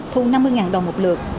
thu năm mươi đồng một lượt